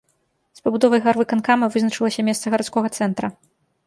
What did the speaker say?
З пабудовай гарвыканкама вызначылася месца гарадскога цэнтра.